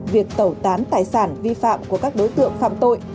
việc tẩu tán tài sản vi phạm của các đối tượng phạm tội